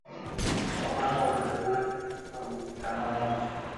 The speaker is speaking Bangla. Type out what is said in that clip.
কখনও মনে করিও না যে, এটি বা ওটি তাঁহার মত ছিল।